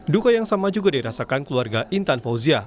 duka yang sama juga dirasakan keluarga intan fauzia